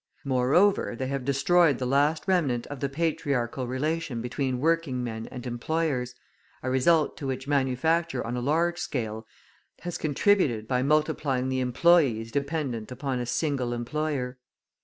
Moreover, they have destroyed the last remnant of the patriarchal relation between working men and employers, a result to which manufacture on a large scale has contributed by multiplying the employes dependent upon a single employer.